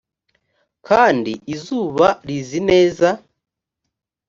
kandi izuba rizi neza